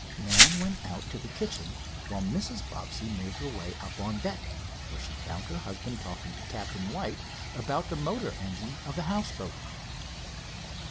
Nan went out to the kitchen, while Mrs. Bobbsey made her way up on deck, where she found her husband talking to Captain White about the motor engine of the houseboat.